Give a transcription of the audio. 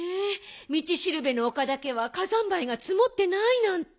道しるべの丘だけは火山灰がつもってないなんて。